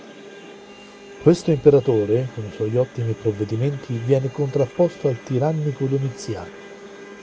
Questo imperatore, con i suoi ottimi provvedimenti, viene contrapposto al tirannico Domiziano.